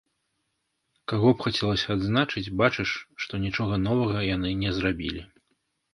Каго б хацелася адзначыць, бачыш, што нічога новага яны не зрабілі.